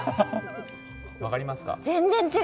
分かりますか？